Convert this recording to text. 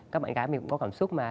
các bạn gái mình cũng có cảm xúc mà